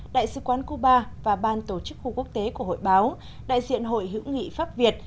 đại sứ quán cuba và ban tổ chức khu quốc tế của hội báo đại diện hội hữu nghị pháp việt